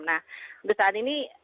nah untuk saat ini